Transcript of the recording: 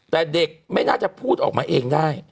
แต่เด็กไม่น่าจะพูดออกมาเองได้